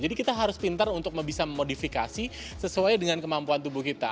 jadi kita harus pintar untuk bisa memodifikasi sesuai dengan kemampuan tubuh kita